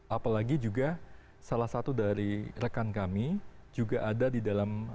apalagi juga salah satu dari rekan kami juga ada di dalam